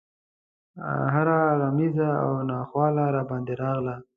هره غمیزه او ناخواله راباندې راغله.